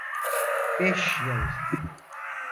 Beş yıl.